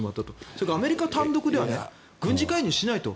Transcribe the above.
それからアメリカ単独では軍事介入しないと